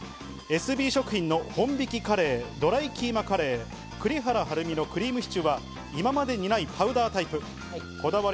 エスビー食品の本挽きカレー、ドライキーマカレー、栗原はるみのクリームシチューは、今までにないパウダータイプ。